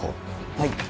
はい。